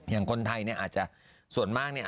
อย่างคนไทยเนี่ยอาจจะส่วนมากเนี่ย